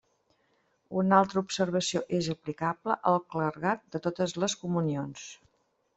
Una altra observació és aplicable al clergat de totes les comunions.